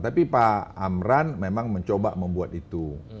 tapi pak amran memang mencoba membuat itu